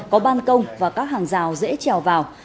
có ban công và các hàng rào dễ trèo vào